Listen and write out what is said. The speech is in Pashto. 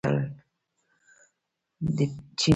د چین سپین زر بهر ته ووتل.